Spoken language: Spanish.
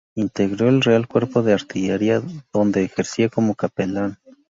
Integró el Real Cuerpo de Artillería, donde ejercía como capellán.